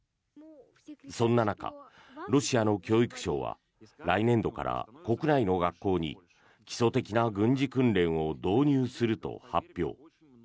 そんな中、ロシアの教育省は来年度から国内の学校に基礎的な軍事訓練を導入すると発表。